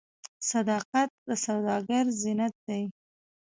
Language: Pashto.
صداقت د سوداګر زینت دی.